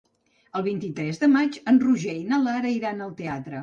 El vint-i-tres de maig en Roger i na Lara iran al teatre.